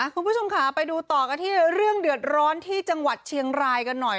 คุณผู้ชมค่ะไปดูต่อกันที่เรื่องเดือดร้อนที่จังหวัดเชียงรายกันหน่อย